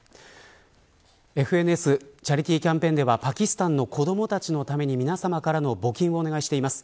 ＦＮＳチャリティキャンペーンではパキスタンの子どもたちのために皆さまからの募金をお願いしています。